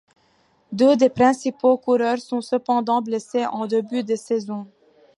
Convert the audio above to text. Deux des principaux coureurs sont cependant blessés en début de saison.